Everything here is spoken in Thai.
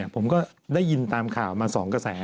ผมก็ได้ยินตามข่าวมา๒กระแส